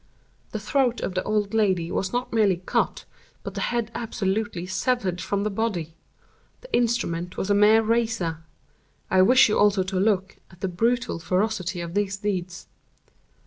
The throat of the old lady was not merely cut, but the head absolutely severed from the body: the instrument was a mere razor. I wish you also to look at the brutal ferocity of these deeds.